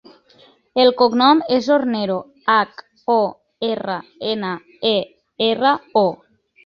El cognom és Hornero: hac, o, erra, ena, e, erra, o.